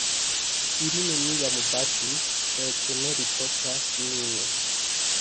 Ili neniam batis, eĉ ne riproĉas min.